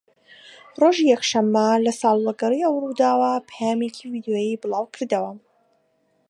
ڕۆژی یەکشەمە لە ساڵوەگەڕی ئەو ڕووداوە پەیامێکی ڤیدۆیی بڵاوکردەوە